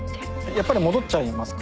やっぱり戻っちゃいますか？